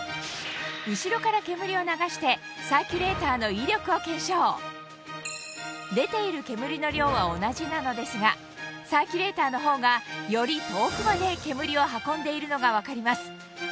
後ろから煙を流して出ている煙の量は同じなのですがサーキュレーターの方がより遠くまで煙を運んでいるのが分かります